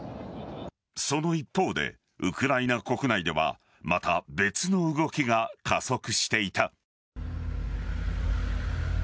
その一方でウクライナ国内ではまた別の動きが加速していた。